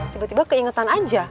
tiba tiba keingetan aja